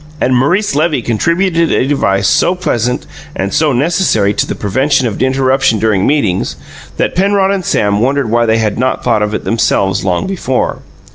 And Maurice Levy contributed a device so pleasant, and so necessary to the prevention of interruption during meetings, that Penrod and Sam wondered why they had not thought of it themselves long before.